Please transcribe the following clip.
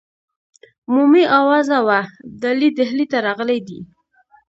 عمومي آوازه وه ابدالي ډهلي ته راغلی دی.